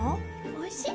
おいしい？